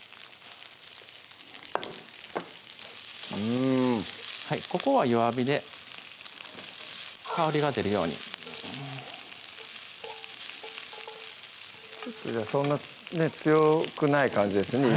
うんここは弱火で香りが出るようにそんな強くない感じですね